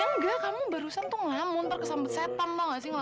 ya engga kamu barusan tuh ngamu ntar kesambut setan mau ga sih ngamu